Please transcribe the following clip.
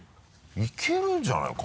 いけるんじゃないか？